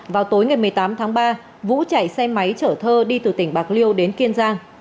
vào tối ngày một mươi tám tháng ba vũ chạy xe máy chở thơ đi từ tỉnh bạc liêu đến kiên giang